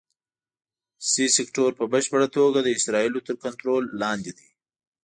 سي سیکټور په بشپړه توګه د اسرائیلو تر کنټرول لاندې دی.